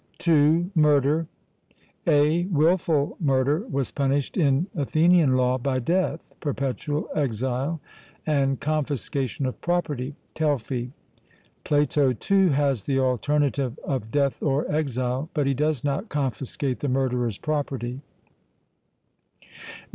(2) Murder. (a) Wilful murder was punished in Athenian law by death, perpetual exile, and confiscation of property (Telfy). Plato, too, has the alternative of death or exile, but he does not confiscate the murderer's property.